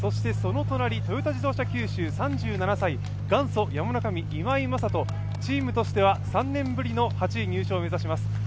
その隣、トヨタ自動車九州、３７歳、元祖山の神・今井正人、チームとしては３年ぶりの８位入賞を目指します。